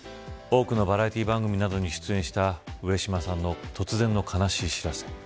多くのバラエティー番組などに出演した上島さんの突然の悲しい知らせ。